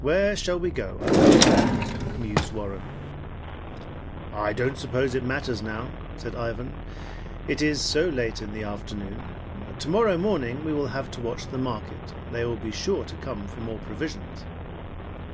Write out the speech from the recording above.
"Where shall we go, I wonder?" mused Warren. "I don't suppose it matters now," said Ivan. "It is so late in the afternoon. Tomorrow morning we will have to watch the market. They will be sure to come for more provisions."